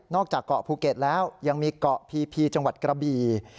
จากเกาะภูเก็ตแล้วยังมีเกาะพีพีจังหวัดกระบี่